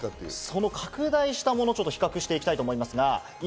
その拡大したものを比較していきたいと思います。